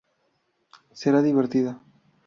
Será divertida.